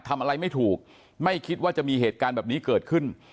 ทำอะไรไม่ถูกไม่คิดว่าจะมีเหตุการณ์แบบนี้เกิดขึ้น